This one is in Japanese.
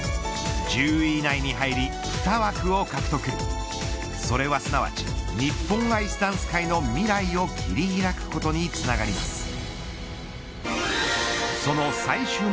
１０位以内に入り２枠を獲得それはすなわち日本アイスダンス界の未来を切り開くことにつながります。